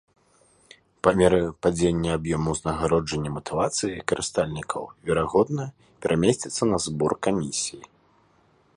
Па меры падзення аб'ёму ўзнагароджання матывацыя карыстальнікаў, верагодна, перамесціцца на збор камісій.